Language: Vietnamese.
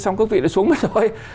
xong các vị lại xuống mất rồi